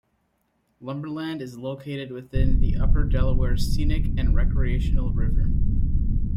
Lumberland is located within the Upper Delaware Scenic and Recreational River.